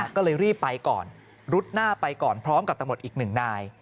ก็เลยรีบไปก่อนรุดหน้าไปก่อนพร้อมกับตำรวจอีกหนึ่งนาย